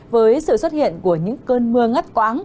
với sự xuất hiện của những cơn mưa ngất quáng